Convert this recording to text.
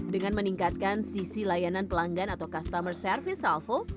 dengan meningkatkan sisi layanan pelanggan atau customer service salvo